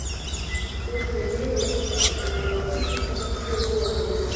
څو شېبې يې ګوتې پکښې ووهلې.